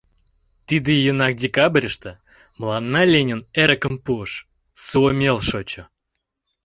Тиде ийынак, декабрьыште, мыланна Ленин эрыкым пуыш — Суоми эл шочо.